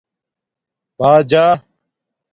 باجݳ